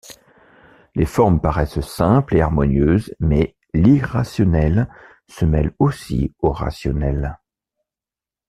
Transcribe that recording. Les formes paraissent simples et harmonieuses mais l'irrationnel se mêle aussi au rationnel.